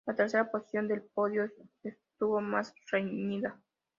La tercera posición del podio estuvo más reñida.